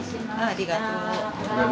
ありがとう。